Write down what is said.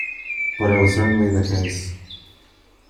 But it was certainly the case.